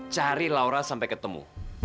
cari laura sampai ketemu